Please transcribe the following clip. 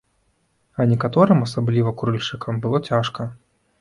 А некаторым, асабліва курыльшчыкам, было цяжка.